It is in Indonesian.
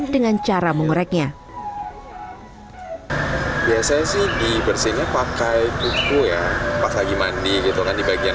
dengan cara mengoreknya biasanya sih dibersihnya pakai kuku ya pas lagi mandi gitu kan di bagian